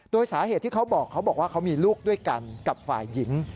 โดยสาเหตุที่เขาบอกเขาบอกว่าเขามีลูกด้วยกันกับฝ่ายหญิง